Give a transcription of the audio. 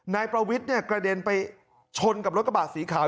นายประวิทย์กระเด็นไปชนกับรถกระบะสีขาว